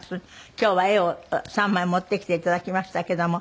今日は絵を３枚持ってきて頂きましたけども。